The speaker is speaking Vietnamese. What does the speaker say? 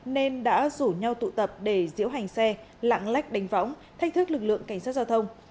nên đã rủ nhau tụ tập để diễu hành xe lãng lách đánh võng thách thức lực lượng cảnh sát giao thông